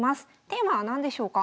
テーマは何でしょうか？